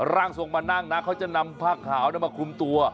ร่างทรงมานั่งนะเขาจะนำผ้าขาวมาคุมตัว